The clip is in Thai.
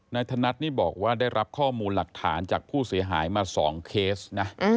ธนัดนี่บอกว่าได้รับข้อมูลหลักฐานจากผู้เสียหายมา๒เคสนะ